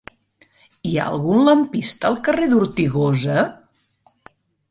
Hi ha algun lampista al carrer d'Ortigosa?